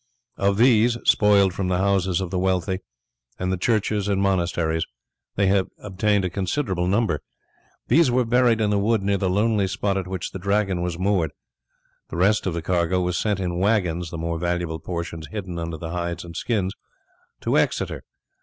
Of these, spoiled from the houses of the wealthy, and the churches and monasteries, they had obtained a considerable number. These were buried in the wood near the lonely spot at which the Dragon was moored, the rest of the cargo was sent in wagons the more valuable portions hidden under the hides and skins to Exeter.